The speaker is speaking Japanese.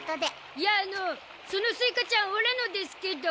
いやあのそのスイカちゃんオラのですけど。